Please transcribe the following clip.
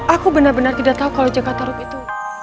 aku benar benar tidak tahu kalau jakarta ruk itu